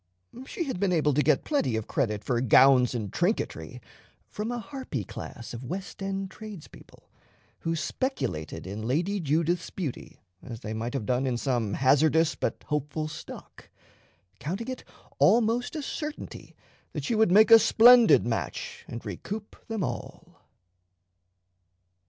She had been able to get plenty of credit for gowns and trinketry from a harpy class of West End tradespeople, who speculated in Lady Judith's beauty as they might have done in some hazardous but hopeful stock; counting it almost a certainty that she would make a splendid match and recoup them all.